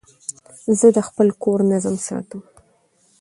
زه د خپل کور نظم ساتم.